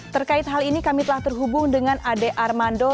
terkait hal ini kami telah terhubung dengan ade armando